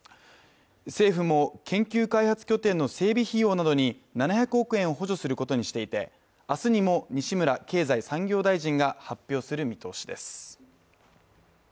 政府も研究・開発拠点の整備費用などに７００億円を補助することにしていて明日にも西村経済再生担当大臣が発表する見通しです。